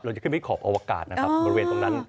จะขึ้นไปขอบอวกาศนะครับบริเวณตรงนั้น